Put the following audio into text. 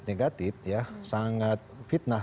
negatif ya sangat fitnah